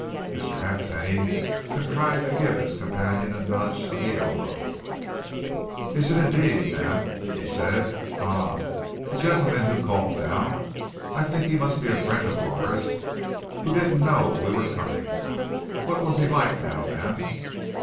Mr. Halfpenny contrived to give his companion a nudge of the elbow. "Is it, indeed, ma'am?" he said. "Ah! That gentleman who called, now? I think he must be a friend of ours, who didn't know we were coming. What was he like, now, ma'am?"